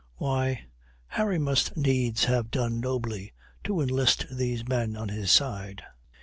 Why, Harry must needs have done nobly to enlist these men on his side.